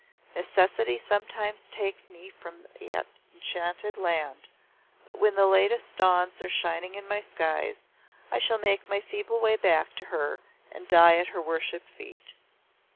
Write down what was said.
Necessity sometimes takes me from that enchanted land, but when the latest dawns are shining in my skies I shall make my feeble way back to her and die at her worshipped feet.